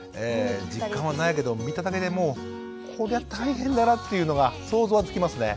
実感はないけど見ただけでもうこりゃ大変だなっていうのが想像はつきますね。